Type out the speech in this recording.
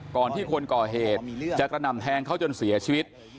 ก่อนที่คนก่อเหตุจะกระหน่ำแทงเขาจนเสียชีวิต